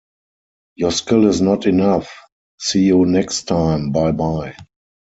Your skill is not enough, see you next time, bye-bye!